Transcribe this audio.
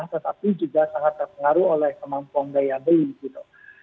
tetapi juga sangat terpengaruh oleh kemampuan daya beli gitu